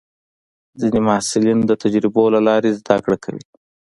ځینې محصلین د تجربو له لارې زده کړه کوي.